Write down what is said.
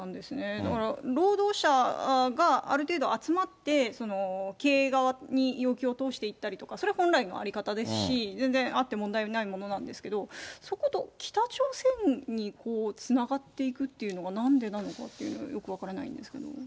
だから労働者がある程度、集まって経営側に要求を通していったりとか、それ、本来の在り方ですし、全然あって問題ないものなんですけれども、そこと北朝鮮につながっていくっていうのが、なんでなのかというのが、よく分からないんですけどね。